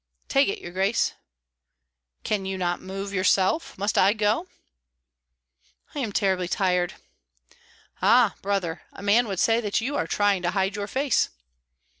"Take it, your grace." "Can you not move yourself? Must I go?" "I am terribly tired." "Ah, brother, a man would say that you are trying to hide your face."